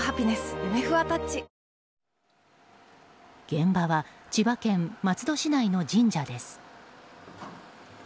現場は千葉県松戸市内の神社です。